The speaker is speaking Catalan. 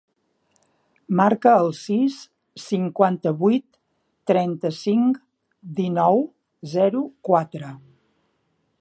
Marca el sis, cinquanta-vuit, trenta-cinc, dinou, zero, quatre.